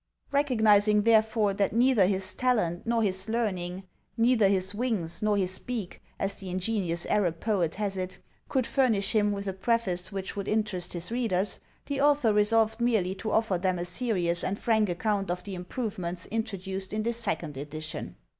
Recognizing, therefore, that neither his talent nor his learning, "neither his wings nor his beak," as the ingenious Arab poet has it, could furnish him with a preface which would interest his readers, the author resolved merely to offer them a serious and frank account of the improvements introduced in this second edition.